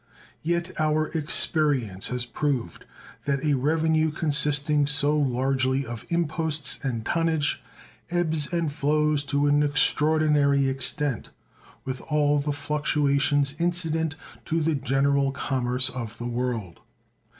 Yet our experience has proved that a revenue consisting so largely of imposts and tonnage ebbs and flows to an extraordinary extent, with all the fluctuations incident to the general commerce of the world.